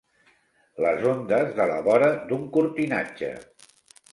Les ondes de la vora d'un cortinatge.